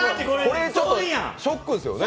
これ、ショックですよね？